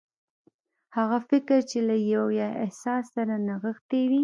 هغه فکر چې له يوه احساس سره نغښتي وي.